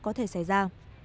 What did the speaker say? có thể xảy ra